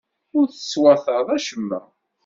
Ur teswataḍ acemma.